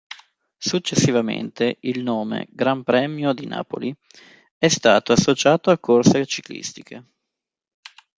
Successivamente il nome “Gran Premio di Napoli” è stato associato a corse ciclistiche.